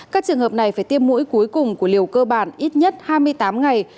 các trường hợp này phải tiêm mũi cuối cùng của liều cơ bản ít nhất hai mươi tám ngày